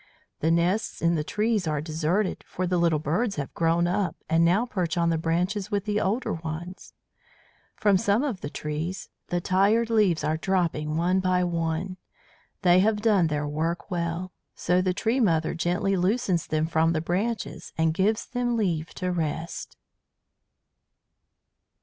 "The nests in the trees are deserted, for the little birds have grown up and now perch on the branches with the older ones. From some of the trees the tired leaves are dropping one by one. They have done their work well, so the tree mother gently loosens them from the branches and gives them leave to rest."